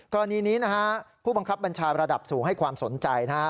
ตอนนี้ผู้บังคับบัญชาระดับสูงให้ความสนใจนะครับ